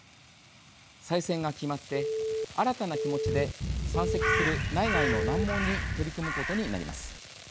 再選が決まって新たな気持ちで山積する内外の難問に取り組むことになります。